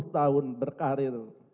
dua puluh tahun berkarir